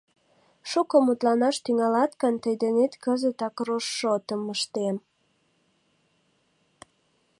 — Шуко мутланаш тӱҥалат гын, тый денет кызытак рошшотым ыштем.